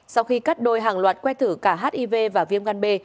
sau khi cắt đôi hàng loạt que thử cả hiv và viêm gan b